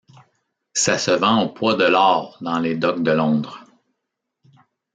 Ça se vend au poids de l'or dans les docks de Londres !